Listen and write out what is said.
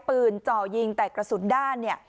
ปืนเจาะยิงแต่กระสุนด้าน